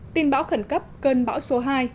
tin bão khẩn cấp cơn bão số hai